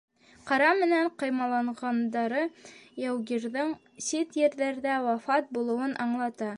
Ҡара менән ҡаймаланғандары яугирҙың сит ерҙәрҙә вафат булыуын аңлата.